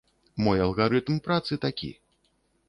Мой алгарытм працы такі.